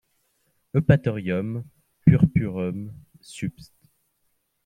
Eupatorium purpureum subsp.